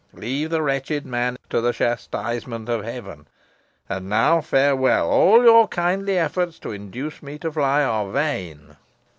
Leave the wretched man to the chastisement of Heaven. And now, farewell! All your kindly efforts to induce me to fly are vain."